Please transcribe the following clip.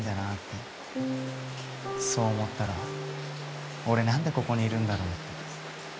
そう思ったら俺何でここにいるんだろうって。